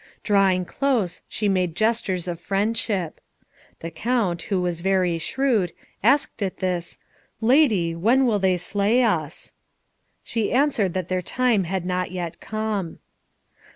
Drawing close she made gestures of friendship. The Count, who was very shrewd, asked at this, "Lady, when will they slay us?" She answered that their time had not yet come.